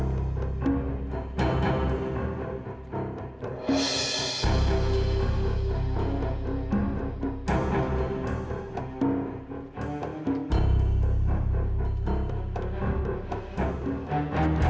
makasih pak haidam